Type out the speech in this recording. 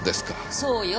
そうよ。